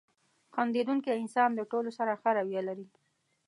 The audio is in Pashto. • خندېدونکی انسان له ټولو سره ښه رویه لري.